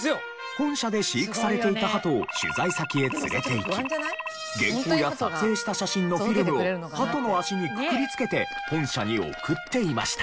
本社で飼育されていた鳩を取材先へ連れていき原稿や撮影した写真のフィルムを鳩の足にくくりつけて本社に送っていました。